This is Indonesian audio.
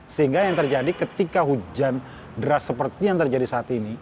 sehingga yang terjadi ketika hujan deras seperti yang terjadi saat ini